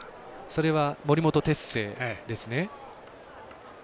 それは森本哲星ですね。